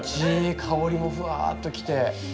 香りもふわっときて。